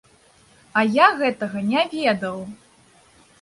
А я гэтага не ведаў!